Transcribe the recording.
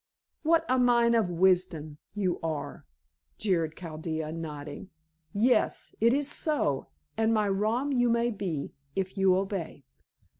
"What a mine of wisdom you are," jeered Chaldea, nodding. "Yes. It is so, and my rom you may be, if you obey."